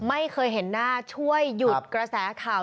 ไม่เคยเห็นหน้าช่วยหยุดกระแสข่าว